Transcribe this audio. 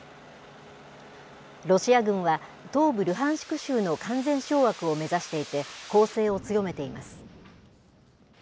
ロシア軍は、東部ルハンシク州の完全掌握を目指していて、攻勢を強めています。